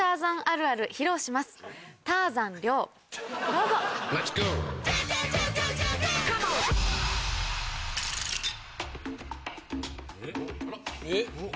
どうぞ。・えっ？